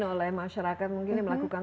oleh masyarakat mungkin melakukan